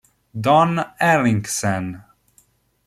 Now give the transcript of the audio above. Don Henriksen